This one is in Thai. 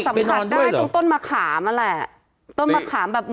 ใช่ทั้งหมอปลาบอกสำหรับด้านต้นมะขามมันแหละ